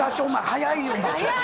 早いよ！